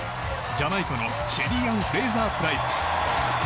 ジャマイカのシェリーアン・フレーザープライス。